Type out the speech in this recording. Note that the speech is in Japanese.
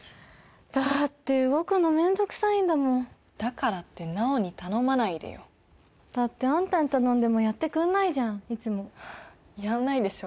だーって動くの面倒くさいんだもんだからって奈央に頼まないでよだってあんたに頼んでもやってくんないじゃんいつもやんないでしょ